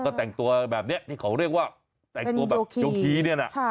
ก็แต่งตัวแบบนี้ที่เขาเรียกว่าแต่งตัวแบบโยคีเนี่ยนะ